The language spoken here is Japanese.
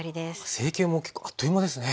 成形も結構あっという間ですね。